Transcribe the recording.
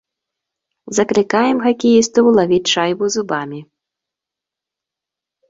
Заклікаем хакеістаў лавіць шайбу зубамі.